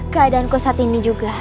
keadaan kosat ini juga